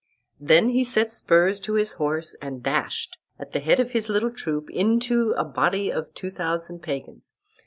He then set spurs to his horse and dashed, at the head of his little troop, into a body of two thousand pagans.